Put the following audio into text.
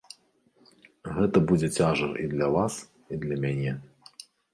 Гэта будзе цяжар і для вас, і для мяне.